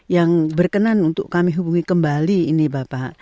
yang berkenan untuk kami hubungi kembali ini bapak